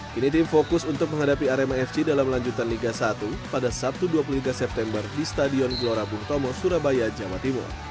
kini tim fokus untuk menghadapi arema fc dalam lanjutan liga satu pada sabtu dua puluh tiga september di stadion gelora bung tomo surabaya jawa timur